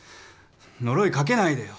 呪いかけないでよ。